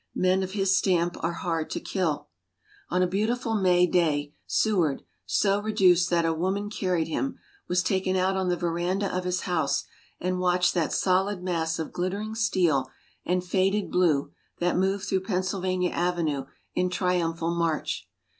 Men of his stamp are hard to kill. On a beautiful May day, Seward, so reduced that a woman carried him, was taken out on the veranda of his house and watched that solid mass of glittering steel and faded blue that moved through Pennsylvania Avenue in triumphal march.